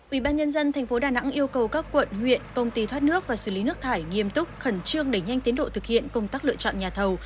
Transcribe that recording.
ubnd tp đà nẵng yêu cầu các quận huyện công ty thoát nước và xử lý nước thải nghiêm túc khẩn trương đẩy nhanh tiến độ thực hiện công tác lựa chọn nhà thầu